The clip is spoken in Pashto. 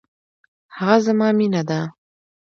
هغه زما مينه ده.